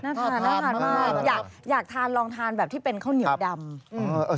น่าทานมากอยากอยากทานลองทานแบบที่เป็นข้าวเหนียวดำอืม